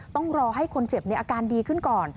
ต้องรอให้คนเจ็บในอาการดีขึ้นก่อน